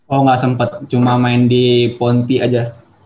oh ga sempet cuma main di ponti aja